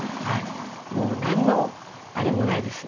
もう何のあれもないです。